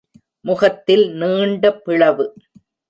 முகத்தில் நீண்ட பிளவு.